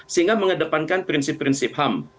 sehingga mengedepankan prinsip prinsip ham